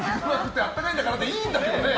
あったかいんだからぁでいいんですけどね。